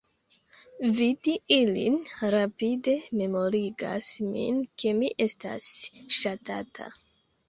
Vidi ilin rapide memorigas min ke mi estas ŝatata.